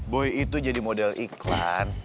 boy itu jadi model iklan